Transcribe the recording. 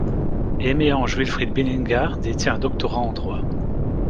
Aimé Ange Wilfrid Bininga détient un doctorat en droit.